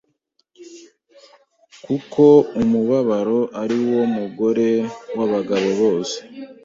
kuko umubabaro ari wo mugore wabagabo bose